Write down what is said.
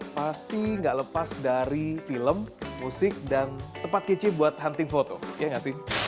pasti gak lepas dari film musik dan tempat kici buat hunting foto ya gak sih